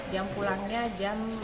jam pulangnya jam lima belas